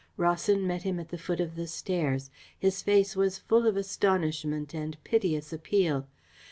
Rawson met him at the foot of the stairs. His face was full of astonishment and piteous appeal.